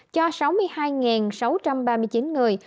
cho sáu mươi hai sáu trăm ba mươi chín người